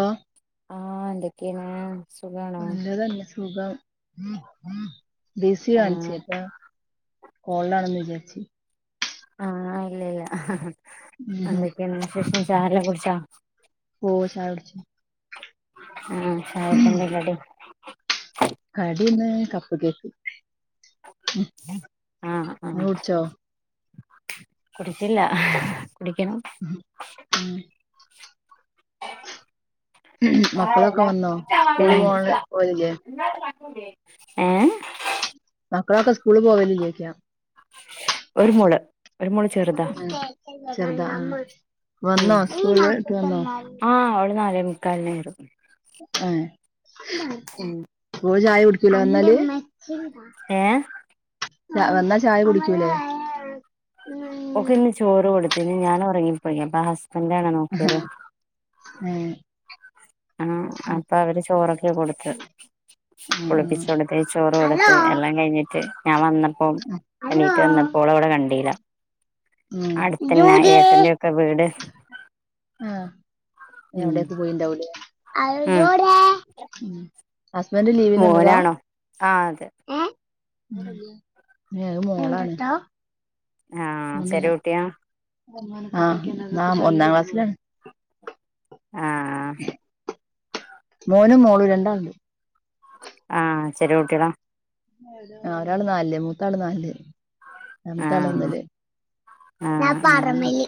ആഹ് ആഹ് എന്തൊക്കേണ് നല്ല തന്നെ സുഖം ബിസി ആഹ് കാണിച്ചേട്ടാ കോളിലാണെന്ന് വിചാരിച്ച് ആഹ് ഇല്ലല്ല ഉം അന്തൊക്കെണ് വിശേഷം ചായെല്ലാം കുടിച്ചോ ഓ ഹ് ചായകുടിച്ച് ആഹ് ചായക്കെന്താ കടി കടിന്ന് കപ്പ് കേക്ക് ഉം, ആഹ് നിങ്ങൾ ആഹ് കുടിച്ചോ കുടിച്ചില്ല കുടിക്കണം ഉം. ആഹ് മക്കളൊക്കെ എല്ലാം. വന്നോ സ്കൂള് ഏഹ് പോകാൻ പോലില്ലേ ഏഹ് മക്കളൊക്കെ സ്കൂളിൽ പോവല്ലേ ചോയ്ക്ക ഒരു മോള് ഒരു മോള് ചെറുതാ ചെറുതാ ആഹ് ഉം വന്നോ ഹസ്കൂൾ വിട്ട് വന്നോ ആഹ് ഓള് നല്ലേമൂ കയന്നേവരും ഏഹ് ഉം ഓള് ചായ കുടിക്കൂല വന്നാല് ഏഹ് ല്ല, വന്നാ ചായ കുടിച്ചുല്ലേ ഓക്ക് ഇന്ന് ചോറ് കൊടുത്തിനി ഞാൻ ഉറങ്ങിപ്പോയി അപ്പോ ഹസ്ബന്റണ് നോക്കിയത്. ഉം ആഹ് അപ്പൊ അവര് ചോറൊക്കെ കൊടുത്ത്. ആ കുളിപ്പിച്ച് കൊടുത്തെ ചോറും ഹലോ കൊടുത്ത് എല്ലാം കഴിഞ്ഞിട്ട് ഞാൻ വന്നപ്പോ ഹലോ എണീട്ട് വന്നപ്പോ ഓളെ അവിടെ കണ്ടില്ല. ഉം അടുത്തന്നെ ജൂഡി ഏട്ടൻന്റെക്കെ വീട് ആഹ് ഉം അവിടേക്ക് പോയിണ്ടാവുലേ ഉം ഉം ഹസ്ബന്റ് ലീവിന് വന്നതാ. മോനാണോ ആ അതെ ഏഹ് അത് മോളാണ്. ആ ചെറിയ കുട്ടിയാ ആഹ് ഉം ഒന്നാം ക്ലാസ്സിലാണ്. ആഹ് മോനും മോളും രണ്ടാളുണ്ട്. ആഹ് ചെറിയ കൂട്ടികളാ. കുട്ട്യാളാ ആഹ് ഒരാള് നലില് മൂത്താള് നാലില് ആ നടുത്താള് ഒന്നില്. ആ ഞാൻ ആ പാറമല്.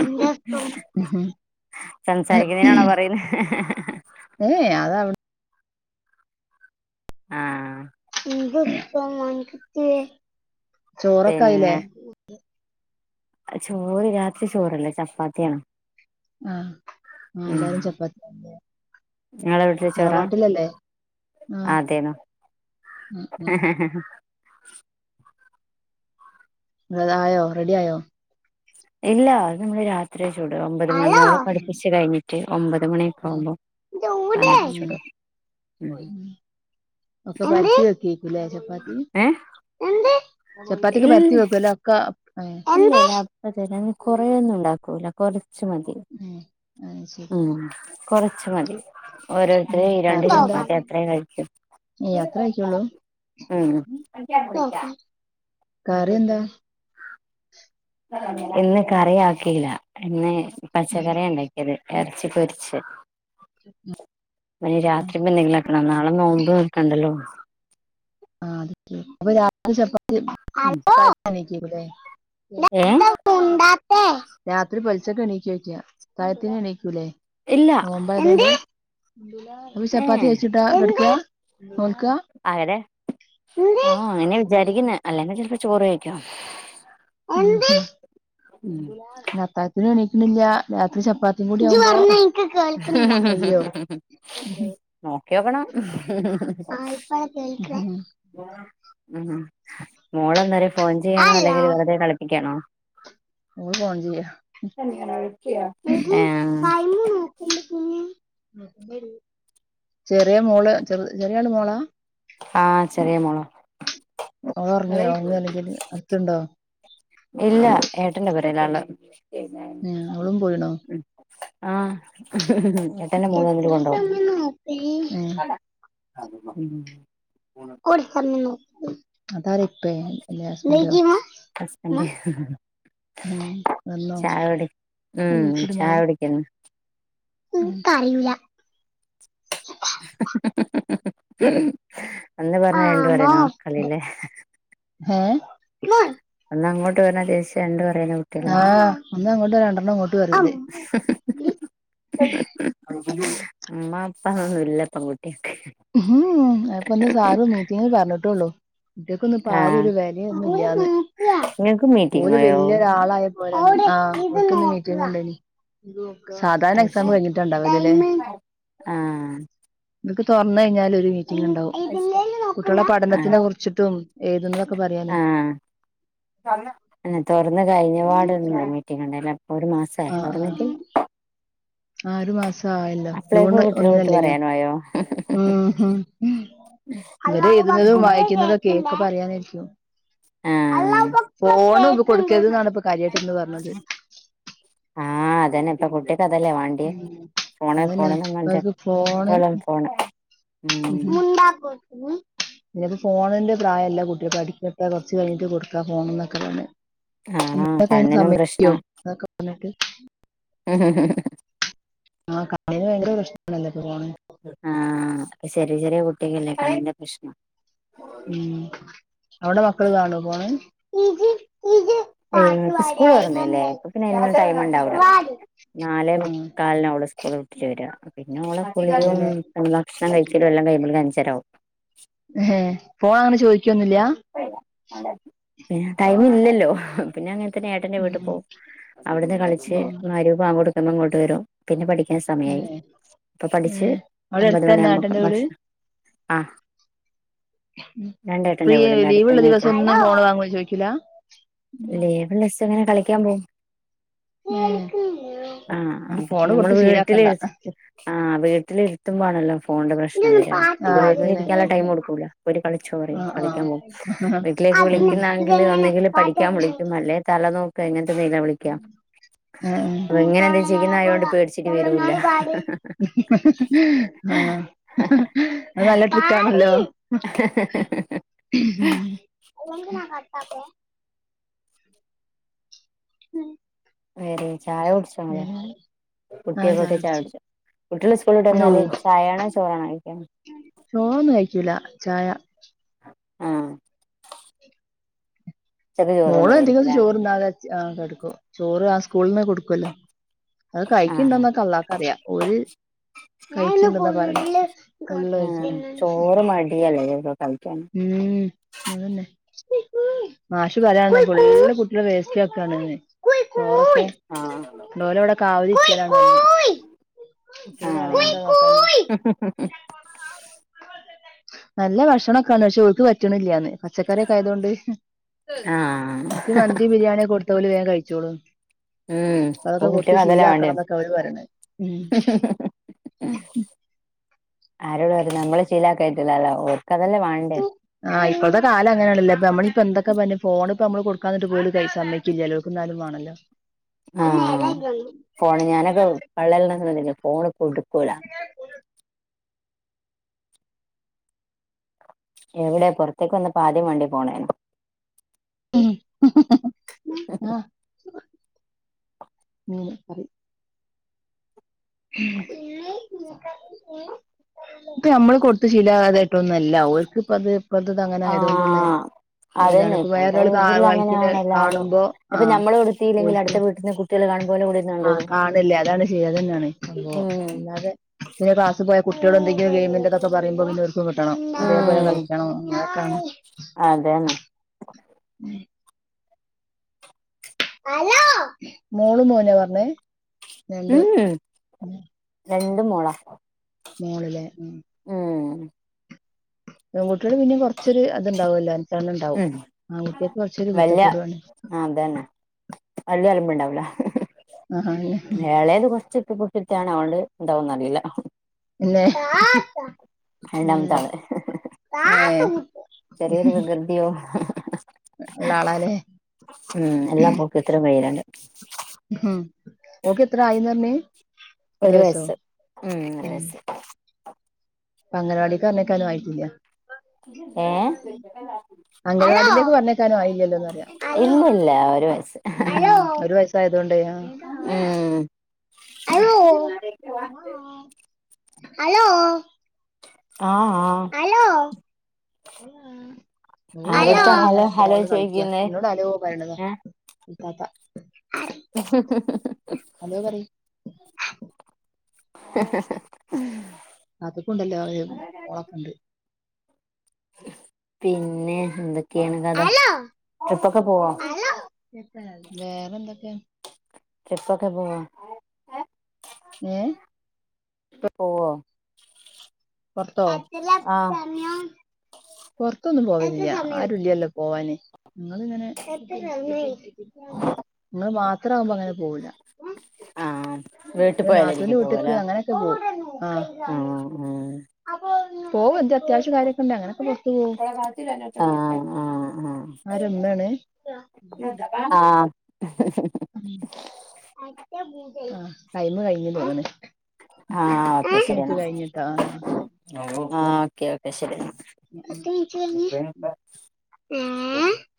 ഇന്റെ സ്കൂ സംസാരിക്കുന്നതിനാണോ പറയുന്നത്. ഏഹ് അതവിടെ ആഹ് ചോറൊക്കെ ആയില്ലേ. പിന്നെ ചോറ് രാത്രി ചോറല്ല, ചപ്പാത്തിയാണ്. ആഹ് ആ ഉം എല്ലാരും ചപ്പാത്തിണ്ല്ലെ നിങ്ങളെ വീട്ടില് ചോറാ തറവാട്ടിലല്ലേ ആഹ് അതേനു ഉം ഉം എന്നിട്ട് ആയോ റെഡി ആയോ ഇല്ല അത് നമ്മള് രാ രിത്രിയേ ചുടുള്ളു ഒമ്പത് മണി ആയോ മോളെ ആഹ് പഠിപ്പിച്ച് കഴിഞ്ഞിട്ട് ഒമ്പത് മണിയൊക്കെ ആകുമ്പോൾ ഉം അന്നിട്ട് ചുടും ഉം. അപ്പോ പരത്തി വെക്കെക്കുല്ലേ ചപ്പാത്തി. ഏഹ് എന്ത് ഇല്ല്യേ ഏഹ് ഇല്ലല്ല അപ്പോ തന്നെ ഞങ്ങ കൊറെന്നും ഉണ്ടാക്കൂല കൊറ ച്ച് മതി ഏഹ് അത് ശരി ഉം കുറച്ച് മതി. ഉം ഓരോരുത്തര് ഈരണ്ട് കറി എന്താ ചപ്പാത്തി അത്രയും കഴിക്കു. ഏഹ് അത്ര ആയിക്കുള്ളൂ ഹ്മ്മ് കറി എന്താ? ഇന്ന് കറി ആക്കില്ല ഇന്ന് പച്ചക്കറിയാ ഇണ്ടാക്കിയത് എർച്ചി പൊരിച്ച്, അത് രാത്രി' [unintelligible] നാളെ നോമ്പ് നോൽക്കണ്ടല്ലോ ആഹ് അപ്പം പിന്നെ രാത്രി ചപ്പാത്തി ഹലോ [unintelligible] ഏഹ് എത്താ മുണ്ടാത്തേ, രാത്രി പെൽച്ചക്ക് എണീക്കോ ചോയ്ക്ക അത്താഴത്തിന് എണീക്കൂലേ ഇല്ല. എന്ത്, അപ്പം ഏ ചപ്പാത്തി കൈച്ചിട്ടാ എന്ത് എട്ക്കാ നോൽക്കാ അങ്ങനെ ആഹ് അങ്ങനെ വിജാരിക്കുന്നെ അല്ലാനാ ചെൽപ്പം ചോറ് കഴിക്കും എന്ത്, [unintelligible] ഉം ഇന്ന് എണീക്ക്ണില്ല രാത്രി ചപ്പാത്തിം കൂടി ആവുമ്പൊ, ഇജ് പറഞ്ഞെ ഇൻ [inaudible] നോക്കിയോക്കണം [inaudible] ആ ഇപ്പഴാ കേൾക്കണേ ഹ്മ്മ്, മോള് അന്നേര ഫോൺ ചെയ്യാണോ അല്ലോ അല്ലെങ്കില് വെറുതെ കളിപ്പിക്കാണോ മോള് ഫോണ് ചെയ്യാ ഏ [unintelligible] ടൈമ് നോ വിളിക്കുന്നെ [unintelligible] ചെറിയ മോള് ചെർ ചെറിയാള് മോളാ- ആഹ് ചെറിയ മോളാ ഓളൊർങ്ങിയോ ഇല്ലേ അല്ലെങ്കില് അട്ത്ത്ണ്ടോ ഇല്ല ഏട്ടന്റെ കൂടെ ഒരാള് ഏഹ്, അവളും പോയിണോ ആഹ്. [inaudible] എത്രയാ വന്നിട്ട് കൊണ്ടോവും സമയം [unintelligible] ആഹ് [unintelligible] ഹ്മ്മ് കൂടി സമയം നോക്കണം അതാര് ട്രൈൻ [unintelligible] ഇതോക്കി ഇമ്മാ ഇമ്മാ ഹസ്ബന്റ് ഹ്മ്മ് വന്നോ ചായ കുടി ആ ഉം ലൈറ്റ്ട് ചായ മോളേ കുടിക്കുന്നു ഇൻക്കറിയൂലാ [inaudible] ഒന്ന് ആ പർഞ്ഞാ രണ്ട് പറയ്ണ മക്കള്ലെ ഏഹ്, ഇമ്മാ ഒന്ന് അങ്ങോട്ട് പർഞ്ഞാ തിരിച്ച് രണ്ട് പറയ്ണ മ ആഹ് ഒന്ന് അങ്ങോട്ട് പറഞ്ഞാ രണ്ടണ്ണം ഇങ്ങോട്ട് പറയും ഇത് ഇമ്മ ഇപ്പ അതൊന്നും ഇല്ലപ്പം കുട്ട്യോൾക്ക് അത് ഇപ്പന്ന് സാറ് മീറ്റിംങ്ങിൽ പർഞ്ഞ്ട്ടൊള്ളു കുട്ട്യേക്കൊന്നും ഇപ്പാരിം ആഹ് ഒര് വെലിം ഒന്നും ഇല്ലാന്ന് നിങ്ങക്ക് ഓല് മീറ്റിങ്ങോയോ വല്യ ഒരാളായ ഒവ്ടെ ഇത് നോക്കാ ആഹ് ഓൽക്ക്ന്ന് മീറ്റിംങ്ങ് ഇണ്ടായിനി, എന്ത് നോക്കാ സാധാരണ അത് ശരി എക്സാംമ് കഴിഞ്ഞ്ട്ടാ ഇണ്ടാവല് ലെ, ടൈമ് ആഹ്. തൊർന്നയ്ഞ്ഞാല് ഒര് മീറ്റിങ്ങ് ഇണ്ടാവും ഇതിമലാ നോക്ക്ണെ, കുട്ടികളെ ആഹ് പഠനത്തിനെ കുറിച്ചിട്ടും എഴുതുന്നതൊക്കെ പറയാനേ [unintelligible] ഹ്മ്മ്, തൊർന്ന് കഴിഞ്ഞ പാടൊരു മീറ്റിങ്ങ് ഇണ്ടായിനിലെ ഒരു മാസം ആഹ് ആഹ്. ആഹ് ഒരു മാസായല്ലോ അപ്പളേക്കും ജൂണ് കുട്ടികളെ വിട്ട് ഒന്നിനല്ലേനോ പറയാനായോ ഹ്മ്മ്, ഹ്മ്മ് ഓല് എഴ്ത്ണതും വായിക്ക്ണതൊക്കെ ഒക്കെ പറയാനായിരിക്കും ആഹ് അള്ളാഹു ബക്ബർ കേൾക്ക്ണ്ട്, ഫോണൊന്നും കൊട്ക്കര്ത് ന്നാണ് ഇപ്പ കാര്യായിട്ട്ന്ന് പർഞ്ഞത്. ആഹ് അതന്നെ ഇപ്പൊ കുട്ട്. ക്ക് അതല്ലേ വാണ്ട്‌യേ ഉം ഫോണ് അതന്നെ ഫോണ്ന്ന് പർഞ്ഞാണ്ട് അവർക്ക് എപ്പളും ഫോണ്. ഉം ഹും ഇഞ്ത് ഫോണിന്റെ പ്രായല്ല കുട്ട്യോക് പഠിക്കട്ടെ കൊറച്ച് കഴിഞ്ഞിട്ട് കൊടുക്കാ ഫോണ്ന്നൊക്കെ പറഞ്ഞ്. ആഹ് [unintelligible] കണ്ണിനും സമയ്ക്ക്യോ പ്രശ്നം ഇതൊക്കെ പർഞ്ഞിട്ട്. [unintelligible] ആഹ് കണ്ണന് ഭയങ്കര പ്രശ്നാണല്ലൊ ഫോണ്. ആഹ് ഇപ്പൊ ചെറിയ ചെറിയ കുട്ട്യാകല്ലേ കണ്ണിന് പ്രശ്നം. ഉം അവിടെ മക്കള് കാണോ ഫോണ്. ഏയ് ഇപ്പ ആ സ്കൂൾ തൊർന്നില്ലേ അപ്പം പിന്നെ അയ്നെന്നും ടൈമ്ണ്ടാവൂല നാലേ മുക്കാലിനാ ഓള് സ്കൂൾ വി ച്ച് വരാ പിന്നെ ഓളെ കുളിയും അതന്നെല്ലേ എന്താ ഭക്ഷണം കഴിച്ചലും എല്ലാം കയ്യുമ്പോൾ ഒര് അഞ്ചരാവും. ഇഹോ ഫോൺ അങ്ങനെ ചോയ്ക്കൊന്നുല്ല. ട്ടൈമ് ഇല്ലല്ലോ. പിന്നെ അങ്ങൻത്തന്നെ ഏട്ടന്റെ വീട്ട് ഉം പോവും അവിട്ന്ന് കളിച്ച് ഉം മഅരിബാങ്കൊട്ക്കുമ്പോ ഇങ്ങോട്ട് വരും കൊോടുക്കുമ്പോൾ അങ്ങോട്ട് വരും. പിന്നെ പഠിക്കൻ ഏ സമയായി അപ്പൊ ഏ പഠിച്ച് അവിടെ ഒമ്പത് അടുത്തന്നെ ഏട്ടന്റെ മണിയാകുമ്പേക്കിന് വീട് ഭക്ഷണം. ആഹ് രണ്ടാ ഫ്രീ ലീവ് ഉള്ള ദിവസം ഒന്നും ഫോൺ വാങ്ങു എന്ന് ചോയ്ക്കില്ല. ലീവ് ഉള്ള ദിവസം ഇങ്ങനെ കളിക്കാൻ പോകും. ആഹ് എന്നിട്ട് അപ്പൊ ഫോണ് നമ്മള് കൊടുത്ത് വീട്ടില്. ശീലാക്കണ്ട ആഹ് വീട്ടിലിരുത്തും മാണല്ലോ. ഫോണിന്റെ പ്രശ്നം വരാ ആ ഇത് അതന്നെ വീട്ടിലിരിക്കാൻ ലെ ടൈം കൊടുക്കൂല്ല. പോയിട്ട് കളിച്ചോ ആ പറയും. ആ കളിക്കാൻ പോവും വീട്ടിലേക്ക് ഉം വിളിക്കുന്നെങ്കിൽ ഇതെങ്ങനെ ഒന്നെങ്കില് പാട്ട് പഠിക്കാൻ തുടങ്ങി വിളിക്കും അല്ലേ തല നോക്ക എങ്ങൻത്തെ തീനാ വിളിക്കാ. ആഹ് ആഹ് ചെയ്യുന്നായോണ്ട് പേടിച്ചിട്ട് ആഹ് വരൂല്ല അത് നല്ല ട്രിക്കാണല്ലോ. അല്ലങ്കി ഞാൻ കട്ടാക്കോ. ഉം. വേറെ ചായ കുടിച്ചേ ഇല്ല കുട്ടിയെക്കൊക്കെ ചായ കുടിച്ചേ കുട്ടികള് സ്കൂളിട്ട് വന്നാല് ഓ ചായയാണോ ചോറാണോ കഴിക്ക. ചോറൊന്നും കഴിക്കൂല ചായ. ആഹ് ഉച്ചക്ക് ചോറ് മോളധികം കൊണ്ടോവായിരിക്കുംല്ലേ ചോറ് തിനാതെ അച്ച് കെടുക്കും ചോറ് ആ സ്കൂളിൽന്ന് കൊടുക്കുല്ലോ. അത് ആഹ് കഴിക്കണ്ടന്നൊക്കെ അള്ളാക്ക റിയാം ഓര് കഴിച്ച്ണ്ട്ന്നാ പറയാ. ഫുള്ള് കഴിച്ചാ ഉം. ടിയല്ലെ ഒക്കെ കഴിക്കാന് ഉം അതന്നെ മാഷ് പറയാണ് ഫുള് കുട്ടികള് വേസ്റ്റ്ക്കാണ്ന്ന്. ആഹ് ഓലക്കെ ഓലവിടെ കാവലിരിക്കലാണ്. ഇത്ര കാലയിറ്റ്ള്ള വർത്താനം. ഉം നല്ല ഭക്ഷണൊക്കാണ്. പക്ഷേ ഒല്ക്ക് പറ്റണില്ലന്ന് പച്ചക്കറിയൊക്കെ ആയതുകൊണ്ട്. ആഹ് ഓൽക്ക് മന്തി ബിരിയാണി കൊടുത്ത ഓല് വേഗം കഴിച്ചോളും. ഉം അതൊക്കെ ഇപ്പം കൊടുത്ത് കുട്ടികള്ക്ക് അതല്ലേ ശീലാക്കണം വേണ്ടേത്. എന്നൊക്കെ അവര് പറയണ ഉം ആരോട് പറയണ് നമ്മളെ ശീലക്കയിട്ടില്ല ല്ലോ ഓർക്ക് അതെന്നെ വേണ്ടേ. ആഹ് ഇപ്പത്തെ കാല അങ്ങനെയാണല്ലേ ഇപ്പ നമ്മപ്പന്തെക്കെ പറഞ്ഞു ഫോണ്പ്പ നമ്മൾ കൊടുക്കാഞ്ഞിട്ട് പോലും കൈ സമ്മയി ചേലോൽക്ക് എന്നാലും വേണല്ലോ. പള്ളലെന്നെക്കെ ഫോണ് കൊടുക്കൂല. എവിടെയാ പുറത്തേക്ക് വന്നേപ്പ ആദ്യം വണ്ടി പോണേ. ഹും ന്നാ ആയി. ഇത് നമ്മള് കൊടുത്ത് ശീലമാകാതൊയിട്ട് ഒന്നുല്ല ഓൽക്ക്പ്പ അത്. പ്പത്ത് അങ്ങനെ ആയതുകൊണ്ടുള്ളേ. ആഹ് അതന്നെ ഇപ്പളത്തെ ഇതിൽ കളിക്കുന്ന അങ്ങനെയാണ് എല്ലാരും കാണുമ്പോ ഇപ്പൊ ആഹ് ഞമ്മള് കൊടുത്തില്ലെങ്കിൽ അടുത്ത ഓൽക്കും വീട്ടന്ന് കുട്ടി ട്ടികള് കാണുമ്പോലെ വരുടെ കൂടെ ആഹ് കാണില്ലേ അതാണ് ചെയ്യത് അതന്നെയാണ് സംഭവം ഉം അല്ലാതെ. പിന്നെ ക്ലാസ് പോയ കുട്ടികള് എന്തെക്കെയോല ഗെയ്മിന്റതൊക്കെ പറയുമ്പോൾ പിന്നെഓല്. കിട്ടണം അതേപോലെ ഉം കളിക്കണം അങ്ങനെക്കാണ്. അതന്നെ മോളും മോനും പറഞ്ഞേ. രണ്ട് ഉം രണ്ട് മോളാ. മോള്ലെ ഉം. പെൺകുട്ടികള് പിന്നെ കുറച്ചൊരു അതുണ്ടാവുല്ലെ അനുസരണ ഇണ്ടാവും ഉം ആൺ കുട്ടികൾക്കൊരു കുറച്ചൊരു വല്യ കുരത്തക്കേടാണ്. അതന്നെ വല്ല്യ അലമ്പ്ണ്ടാവില്ല ആഹ് അന്നെ എളേത് കുറച്ച് റ്റാണ് ആണ്ട് ഇണ്ടാവന്ന് അറിയില്ല പിന്നെ രണ്ടാമത്തെ ഉം ആള് ഏഹ് ചെറിയൊരു വിക്യതിയോ ളള ആളല്ലേ ഉം എല്ലാ പോക്രിത്തരവും കയ്യിലുണ്ട് ഉം ഓക്ക് എത്ര ആയിന്ന് പറഞ്ഞേ ഒരു വയസ്സ് ഉം ഒരു വയസ്സ് അപ്പ അംഗനവാടിക്ക് പറഞ്ഞേക്കാനും ആയിട്ടില്ല ഏഹ് അംഗനവാടിലേക്ക് പറഞ്ഞേക്കാനും ആയില്ലല്ലോന്ന് അറിയ ഇല്ല ഇല്ല ഒരു വയസ്സ് ആ ഒരു വയസ്സായതൊണ്ടേ ഉം ആഹ് ആഹ് ആഹ് അലോ ആരെടുത്താ ഹലോ അങ്ങനെ ഹലോ ഫോണില് കളിക്ക ചോദിക്കുന്നേ എന്നോട് അലോ പറെണതാ ഏ അതാ അതോ പറ അതൊക്കൊണ്ടല്ലേ ഒരു ഓളൊക്കെ ഉണ്ട് പിന്നെ എന്തൊക്കെയാണ് കഥ ഹലോ ട്രിപ്പൊക്കെ പോവാ കേട്ട വേറെ എന്തൊക്കെയാ ട്രിപ്പക്കെ പോവോ ഏഹ് പ്പ് പോവോ പൊറത്തോ ആഹ് പൊറത്തൊന്നും പോവലില്ല ആരുംല്ലല്ലോ പോവാന് ഞങ്ങളിങ്ങനെ ഞങ്ങ മാത്ര ആകുമ്പോ അങ്ങനെ പോവില്ല ഉം ആഹ് വീട്ടിൽ നാത്തൂന്റെ പോയാലായിരിക്കും വീട്ട്ക്ക് പോവല്ലേ അങ്ങനെയൊക്കെ പോവും ആഹ് ആഹ് പോവും എന്താ അത്യാവശ്യ കാര്യൊക്കെ ഇണ്ട് അങ്ങനെയൊക്കെ പുറത്ത് പോവും ആഹ് ആഹ് ആഹ് ആരാ ഇമ്മേണ് ആഹ് ഉം ടൈമ് കഴിഞ്ഞ് തോന്നുന്നു പ ത്ത് മിൻറ്റ് കഴിഞ്ഞിട്ടോ ന്നാ ഓക്കേ ഓ ഓക്കേ ഓക്കെ ശരി എന്നാ [inaudible]